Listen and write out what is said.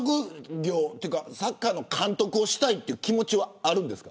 サッカーの監督をしたい気持ちあるんですか。